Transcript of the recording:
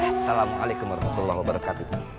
assalamualaikum warahmatullahi wabarakatuh